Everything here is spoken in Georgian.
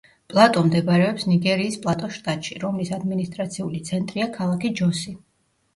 პლატო მდებარეობს ნიგერიის პლატოს შტატში, რომლის ადმინისტრაციული ცენტრია ქალაქი ჯოსი.